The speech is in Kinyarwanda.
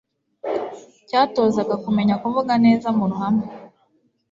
cyatozaga kumenya kuvuga neza mu ruhame